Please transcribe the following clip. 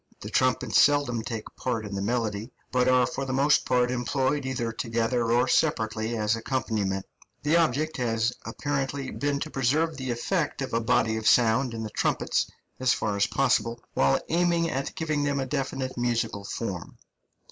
The trumpets seldom take part in the melody, but are for the most part employed either together or separately as accompaniment; the object has apparently been to preserve the effect of a body of sound in the trumpets as far as possible, while aiming at giving them a definite musical form.